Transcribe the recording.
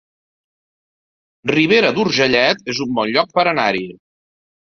Ribera d'Urgellet es un bon lloc per anar-hi